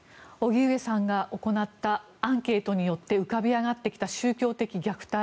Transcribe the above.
荻上さんが行ったアンケートによって浮かび上がってきた宗教的虐待。